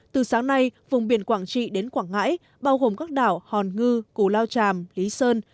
từ sáng nay vùng biển quảng trị đến quảng ngãi bao gồm các đảo hòn ngư cù lao tràm lý sơn